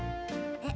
えっ？